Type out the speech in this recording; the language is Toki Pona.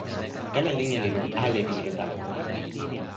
kala linja li lon ale pi ilo tawa kon mi.